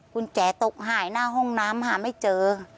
คุณแจตกหายหน้าห้องน้ำหาไม่เจอ